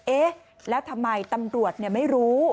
เอ๊ะแล้วทำไมตำรวจไม่รู้